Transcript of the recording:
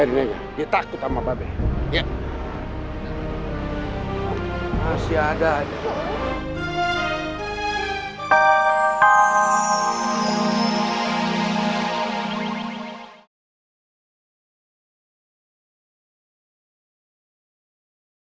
dia takut sama bapak b